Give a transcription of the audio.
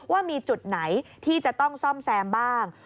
ว่ามีจุดไหนที่จะต้องซ่อมแซมบ้าง